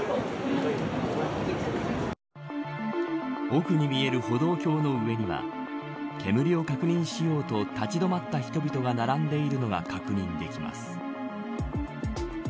奥に見える歩道橋の上には煙を確認しようと立ちどまった人々が並んでいるのが確認できます。